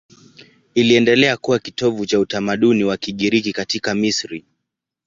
Iliendelea kuwa kitovu cha utamaduni wa Kigiriki katika Misri.